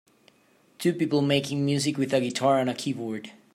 Two people making music with a guitar and keyboard.